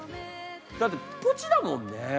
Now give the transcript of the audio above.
だってポチだもんね。